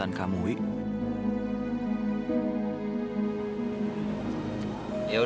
saya ingin beri semangat